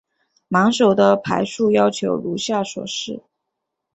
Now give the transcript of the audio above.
满手的牌数要求如下所示。